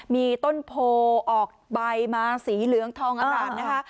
มีต้นโพออกใบมาสีเหลืองทองอร่ามนะคะ